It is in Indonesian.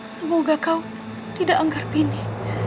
semoga kau tidak anggar pini